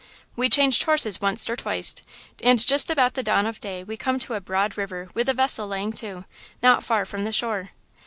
We changed horses wunst or twict, and just about the dawn of day we come to a broad river with a vessel laying to, not far from the shore.